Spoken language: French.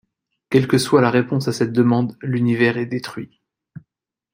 Quelle que soit la réponse à cette demande, l'univers est détruit.